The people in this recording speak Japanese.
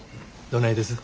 どないです？